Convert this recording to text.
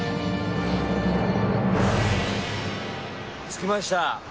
着きました。